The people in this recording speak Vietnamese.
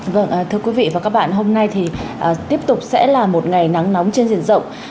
vâng thưa quý vị và các bạn hôm nay thì tiếp tục sẽ là một ngày nắng nóng trên diện rộng